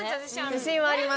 自信はあります。